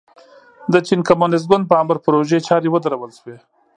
د چین کمونېست ګوند په امر پروژې چارې ودرول شوې.